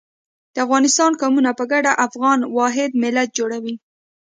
د افغانستان قومونه په ګډه افغان واحد ملت جوړوي.